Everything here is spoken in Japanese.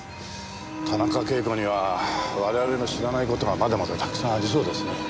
田中啓子には我々の知らない事がまだまだたくさんありそうですね。